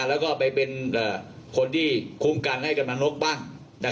แล้วก็ไปเป็นเอ่อคนที่คุมกันให้กับนักนกบ้างนะครับ